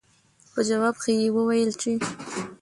پۀ جواب کښې يې وويل چې